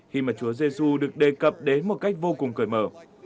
khi mà chúa giê xu được đề cập đến một cách vô cùng cởi mở